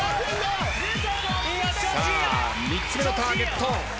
さあ３つ目のターゲット。